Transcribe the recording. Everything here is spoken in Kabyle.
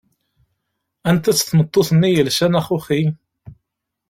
Anta-tt tmeṭṭut-nni yelsan axuxi?